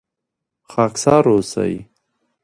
خاکسار اوسئ